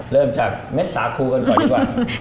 เริ่มจากเม็ดสาคูกันก่อนดีกว่า